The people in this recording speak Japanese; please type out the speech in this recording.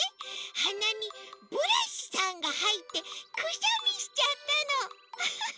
はなにブラシさんがはいってくしゃみしちゃったのフフフ。